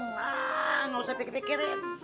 nah gak usah pikir pikirin